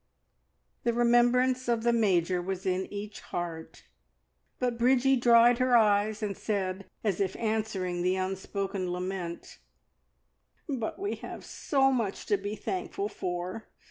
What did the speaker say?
The remembrance of the Major was in each heart, but Bridgie dried her eyes, and said, as if answering the unspoken lament "But we have so much to be thankful for!